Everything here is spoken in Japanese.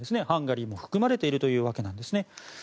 ハンガリーも含まれているというわけなんですね。